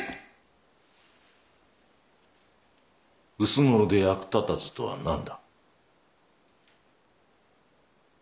薄のろで役立たずとは何だ？